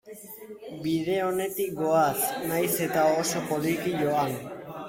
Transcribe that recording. Bide onetik goaz, nahiz eta oso poliki joan.